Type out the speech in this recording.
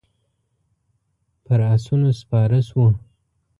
پر آسونو سپاره شوو.